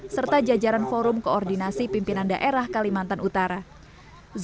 selain itu turut hadir sekretaris provinsi kalimantan utara suriyadzim